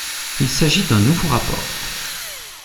Il s’agit d’un nouveau rapport.